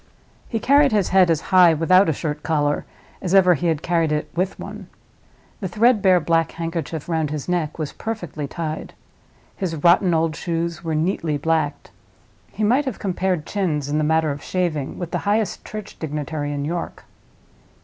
He carried his head as high without a shirt collar as ever he had carried it with one. The threadbare black handkerchief round his neck was perfectly tied; his rotten old shoes were neatly blacked; he might have compared chins, in the matter of smooth shaving, with the highest church dignitary in York.